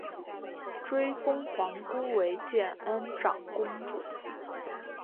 追封皇姑为建安长公主。